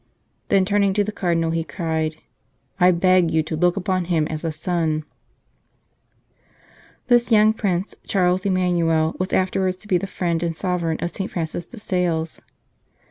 Then, turning to the Cardinal, he cried :" I beg you to look upon him as a son !" This young Prince, Charles Emmanuel, was afterwards to be the friend and Sovereign of St. Francis de Sales.